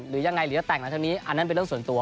หรือยังไงหรือจะแต่งหลังจากนี้อันนั้นเป็นเรื่องส่วนตัว